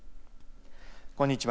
こんにちは。